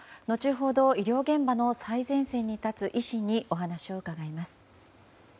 後ほど、医療現場の最前線に立つ医師にお話を伺います。